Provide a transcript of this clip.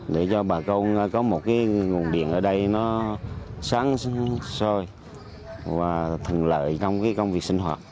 để cho bà con có một cái nguồn điện ở đây nó sáng sôi và thường lợi trong cái công việc sinh hoạt